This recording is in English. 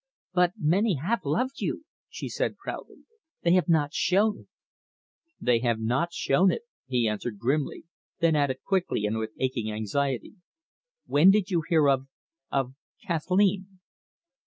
"But many have loved you!" she said proudly. "They have not shown it," he answered grimly; then added quickly, and with aching anxiety: "When did you hear of of Kathleen?"